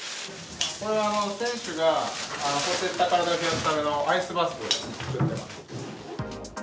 選手がほてった体を冷やすためのアイスバスを作ってます。